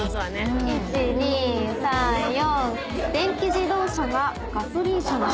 １２３４。